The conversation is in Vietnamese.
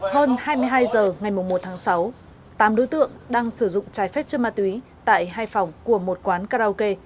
hơn hai mươi hai h ngày một tháng sáu tám đối tượng đang sử dụng trái phép chất ma túy tại hai phòng của một quán karaoke